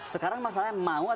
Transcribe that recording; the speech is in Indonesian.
sekarang masalahnya mau atau tidak